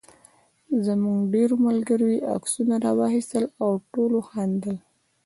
زموږ ډېرو ملګرو یې عکسونه واخیستل او ټولو خندل.